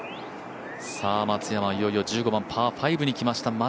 松山、いよいよ１５番パー５に来ました。